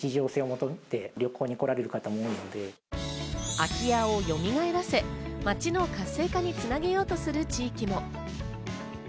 空き家をよみがえらせ、町の活性化につなげようとする地域も。